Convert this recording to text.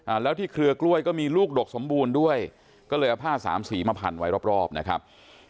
แล้วที่เครือกล้วยก็มีลูกดกสมบูรณ์ด้วยก็เลยเอาผ้าสามสีมาพันไว้รอบรอบนะครับ